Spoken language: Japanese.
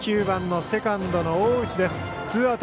９番のセカンドの大内です。